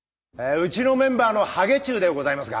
うちのメンバーのハゲ注でございますが。